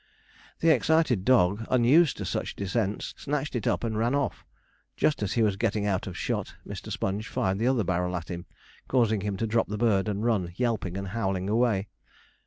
The excited dog, unused to such descents, snatched it up and ran off. Just as he was getting out of shot, Mr. Sponge fired the other barrel at him, causing him to drop the bird and run yelping and howling away.